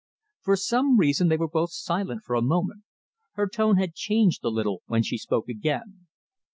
For some reason they were both silent for a moment. Her tone had changed a little when she spoke again.